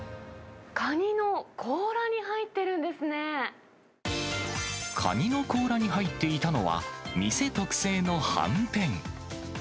カニの甲羅に入ってるんですカニの甲羅に入っていたのは、店特製のはんぺん。